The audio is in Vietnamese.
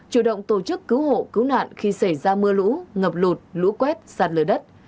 chủ động tổ chức cứu hộ cứu nạn khi xảy ra mưa lũ ngập lụt lũ quét sạt lở đất